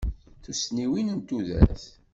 Tussniwin n tudert.